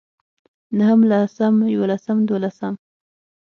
نهم لسم يولسم دولسم